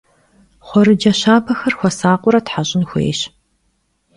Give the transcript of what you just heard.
Xuerece şabexer xuesakhıure theş'ın xuêyş.